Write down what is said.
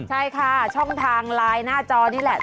ใช่ค่ะช่องทางไลน์หน้าจอนี่แหละ